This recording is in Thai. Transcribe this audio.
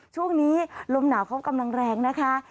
ช่วงนี้ลมหนาวเขากำลังแรงนะคะ